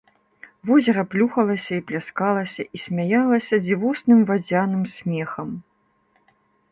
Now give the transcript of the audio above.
Возера плюхалася, і пляскалася, і смяялася дзівосным вадзяным смехам.